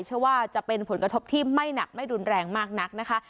เชื่อว่าจะเป็นผลกระทบที่ไม่หนักไม่รุนแรงมากนักนะคะ